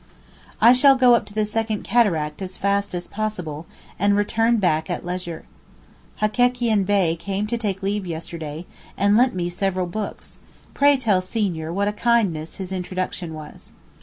I shall go up to the second Cataract as fast as possible, and return back at leisure. Hekekian Bey came to take leave yesterday, and lent me several books; pray tell Senior what a kindness his introduction was.